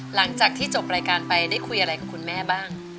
หลังจากที่จบรายการไปได้คุยอะไรกับคุณแม่บ้าง